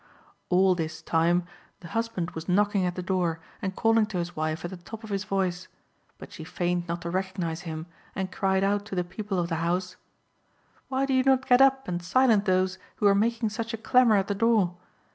All this time the husband was knocking at the door and calling to his wife at the top of his voice; but she feigned not to recognise him, and cried out to the people of the house "Why do you not get up and silence those who are making such a clamour at the door?